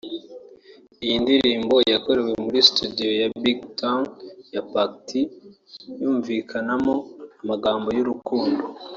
Iyi ndirimbo yakorewe muri Studio Big Town ya Bac-T yumvikanamo amagambo y’urukundo